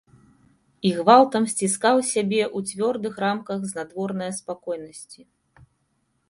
І гвалтам сціскаў сябе ў цвёрдых рамках знадворнае спакойнасці.